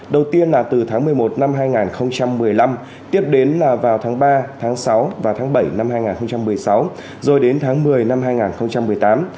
đầu tiên là từ tháng một mươi một năm hai nghìn một mươi năm tiếp đến là vào tháng ba tháng sáu và tháng bảy năm hai nghìn một mươi sáu rồi đến tháng một mươi năm hai nghìn một mươi tám